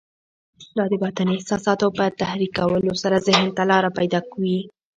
دا د باطني احساساتو په تحريکولو سره ذهن ته لاره پيدا کوي.